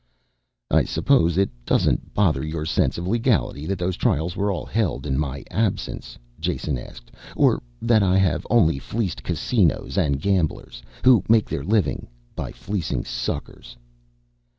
"I suppose it doesn't bother your sense of legality that those trials were all held in my absence," Jason asked. "Or that I have only fleeced casinos and gamblers who make their living by fleecing suckers?"